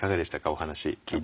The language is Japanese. お話聞いて。